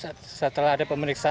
terus setelah ada pemeriksaan